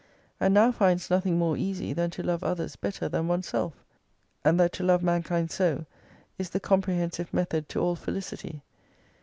And now finds nothing more easy than to love others better than oneself : and that to love mankind so is the comprehensive method to all Felicity.